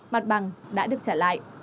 mặt bằng đã được trả lại